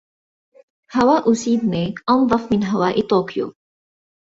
هواء سيدني أنظف من هواء طوكيو.